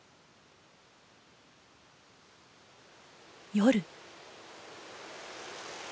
夜。